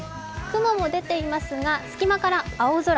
雲も出ていますが隙間から青空。